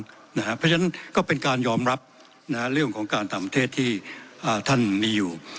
เพราะฉะนั้นก็เป็นการยอมรับเรื่องของการต่างประเทศที่ท่านมีอยู่